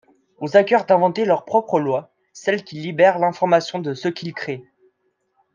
Aux hackers d’inventer leurs propres lois, celles qui libèrent l’information de ce qu’ils créent...